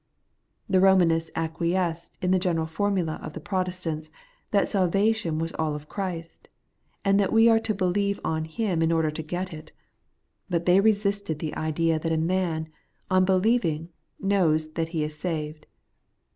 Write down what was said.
The Eomanists acquiesced in the general formula of the Protestants, that salvation was all of Christ, and that we are to believe on Him in order to get it. But they resisted the idea that a man, on be lieving, knows that he is saved.